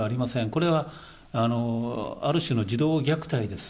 これはある種の児童虐待です。